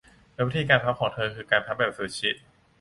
โดยวิธีการพับของเธอคือการพับแบบซูชิ